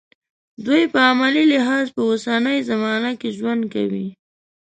دوی په عملي لحاظ په اوسنۍ زمانه کې ژوند کوي.